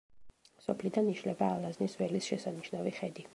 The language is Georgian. სოფლიდან იშლება ალაზნის ველის შესანიშნავი ხედი.